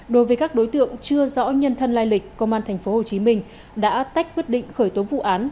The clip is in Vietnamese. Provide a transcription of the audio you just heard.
đối với các đối tượng chưa rõ nhân thân lai lịch công an tp hcm đã tách quyết định khởi tố vụ án